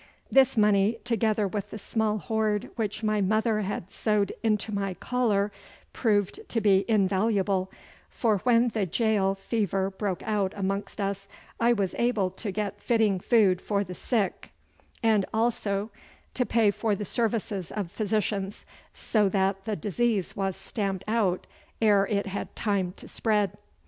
This money, together with the small hoard which my mother had sewed into my collar, proved to be invaluable, for when the gaol fever broke out amongst us I was able to get fitting food for the sick, and also to pay for the services of physicians, so that the disease was stamped out ere it had time to spread.